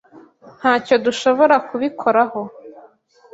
Ntacyo dushobora kubikoraho.